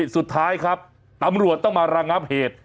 สุดท้ายครับตำรวจต้องมาระงับเหตุ